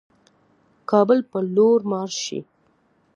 کابل پر لور مارش شي.